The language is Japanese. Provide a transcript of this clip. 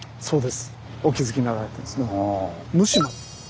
そうです。